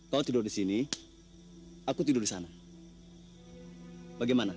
kita lanjutkan perjalanan masing masing